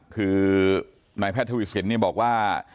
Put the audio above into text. คือนายแพทย์ทวีสินบอกว่า